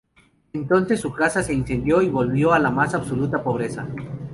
Entonces su casa se incendió, y volvió a la más absoluta pobreza.